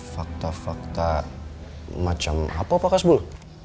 fakta fakta macam apa pak kasbul